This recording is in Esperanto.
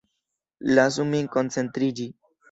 Lasu min koncentriĝi.